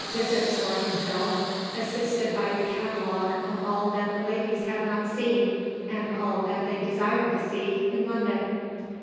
visits for himself, assisted by the catalogue of all that the ladies had not seen, and all that they desired to see, in London.